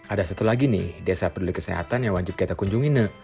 ada satu lagi nih desa peduli kesehatan yang wajib kita kunjungi